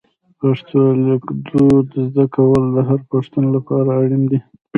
پښتو لیکدود زده کول د هر پښتون لپاره اړین دي.